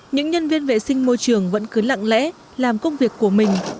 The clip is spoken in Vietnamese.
những nhân viên vệ sinh môi trường vẫn cứ lặng lẽ làm công việc của mình